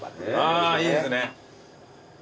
あぁいいですね。